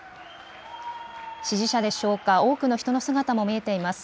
支持者でしょうか、多くの人の姿も見えています。